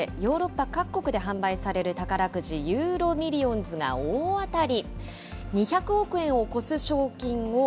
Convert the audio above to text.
ベルギー北部にある小さな村で、ヨーロッパ各国で販売される宝くじ、ユーロミリオンズが大当たり。